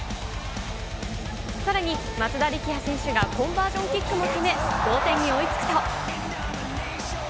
さらに、松田力也選手がコンバージョンキックも決め、同点に追いつくと。